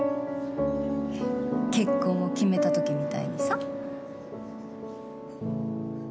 結婚を決めた時みたいにさ。